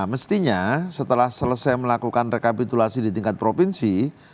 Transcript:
mestinya setelah selesai melakukan rekapitulasi di tingkat provinsi